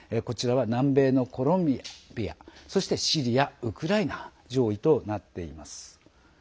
こちらは南米コロンビアそして、シリアウクライナが上位となっています。